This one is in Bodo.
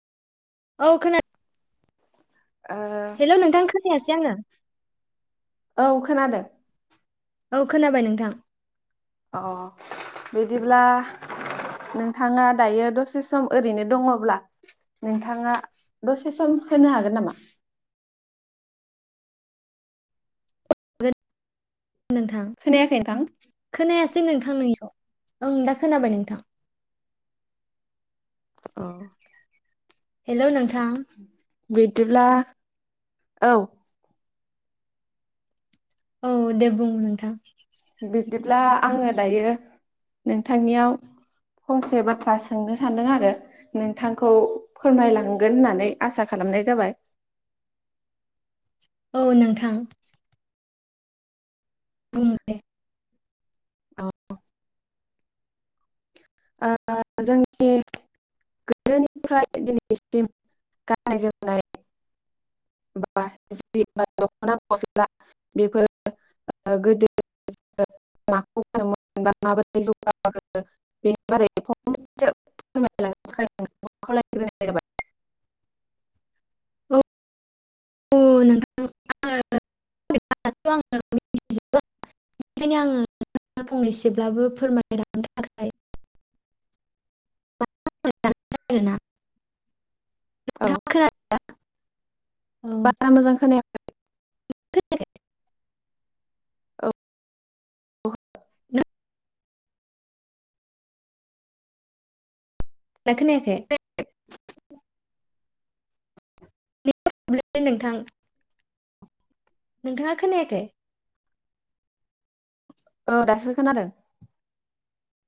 औ खोना ओ हेल' नोंथां खोनायासै आङो औ खोनादों। औ खोनाबाय नोंथां अ बिदिब्ला नोंथाङा दायो दसे सम ओरैनो दङब्ला नोंथाङा दसे सम होनो हागोन नामा? गो नोंथां खोनायाखै नोंथां खोनायासै नोंथां [unintelligible] ओं दा खोनाबाय नोंथां औ हेल' नोंथां बिदिब्ला औ औ दे बुं नोंथां बिदिब्ला आङो दायो। नोंथांनियाव फंसे बाथ्रा सोंनो सानदों आरो नों थांखौ फोरमायलांगोन होननानै आसा खालामनाय जाबाय औ नोंथां बुं दे अ ओ जोंनि गोदोनिफ्राय दिनैसिम गाननाय जोमनाय बा जि बा दख'ना गस्ला बेफोरो ओ गोदो माखौ [unintelligible] बा माबोरै जगार जा [unintelligible] बेनि बारै [unintelligible] थाखाय [unintelligible] [unintelligible] [unintelligible] औ नोंथाङा खोना औ बारा मोजां खोनाया [unintelligible] खोनायाखै औ दा खोनायाखै? [unintelligible] नोंथां नोंथाङा खोनायाखै? औ दासो खोनादों